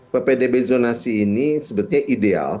ppdb zonasi ini sebetulnya ideal